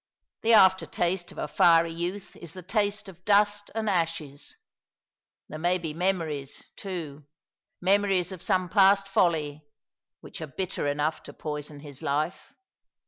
The after taste of a fiery youth is the taste of dust and ashes. There may be memories, too — memories of some past folly — which are bitter enough to poison his life.